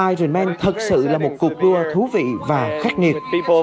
ironman thật sự là một cuộc đua thú vị và khắc nghiệt